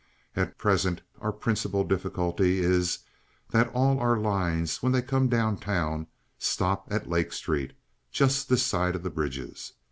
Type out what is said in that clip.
At present our principal difficulty is that all our lines, when they come down town, stop at Lake Street—just this side of the bridges.